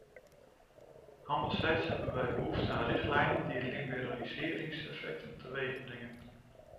Anderzijds hebben wij behoefte aan richtlijnen die liberaliseringseffecten teweegbrengen.